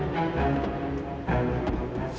ya allah gimana ini